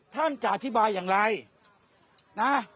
ท่านจะอธิบายอย่างไรนะ